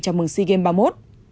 chào mừng sea games ba mươi một